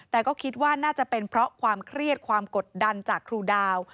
แต่ก็คิดว่าน่าจะเป็นเพราะความเครียดความกดดันจากครูดาว